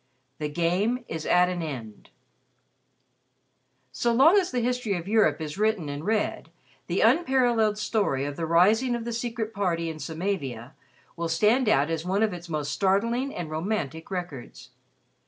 XXX THE GAME IS AT AN END So long as the history of Europe is written and read, the unparalleled story of the Rising of the Secret Party in Samavia will stand out as one of its most startling and romantic records.